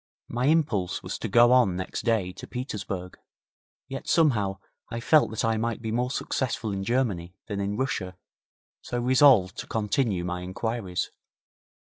My impulse was to go on next day to Petersburg. Yet somehow I felt that I might be more successful in Germany than in Russia, so resolved to continue my inquiries.